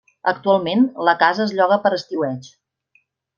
Actualment, la casa es lloga per estiueig.